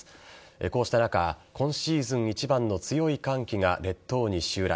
こうした中今シーズン一番の強い寒気が列島に襲来。